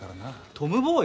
トムボーイ？